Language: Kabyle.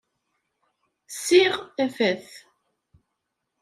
Siɣ tafat.